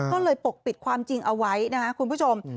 ก็เลยปกปิดความจริงเอาไว้นะครับคุณผู้ชม